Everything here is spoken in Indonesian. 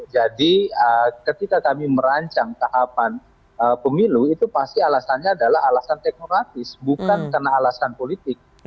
jadi ketika kami merancang tahapan pemilu itu pasti alasannya adalah alasan teknokratis bukan karena alasan politik